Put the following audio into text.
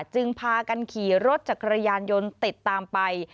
จึงพากันขี่รถจักรยานยนต์ติดตามไป